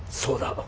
そうだ。